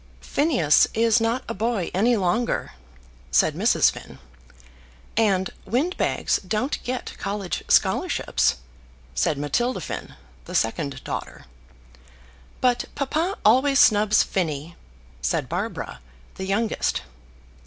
"Phineas is not a boy any longer," said Mrs. Finn. "And windbags don't get college scholarships," said Matilda Finn, the second daughter. "But papa always snubs Phinny," said Barbara, the youngest.